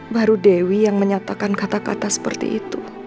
baru dewi yang menyatakan kata kata seperti itu